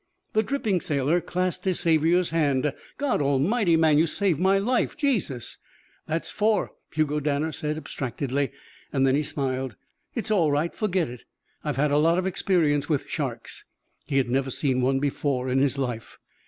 The dripping sailor clasped his saviour's hand. "God Almighty, man, you saved my life. Jesus!" "That's four," Hugo Danner said abstractedly, and then he smiled. "It's all right. Forget it. I've had a lot of experience with sharks." He had never seen one before in his life.